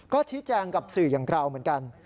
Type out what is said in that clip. ก็ชี้แจงกับสื่ออย่างเราเหมือนกัน